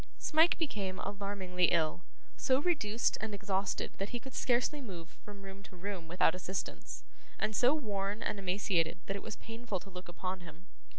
Smike became alarmingly ill; so reduced and exhausted that he could scarcely move from room to room without assistance; and so worn and emaciated, that it was painful to look upon him.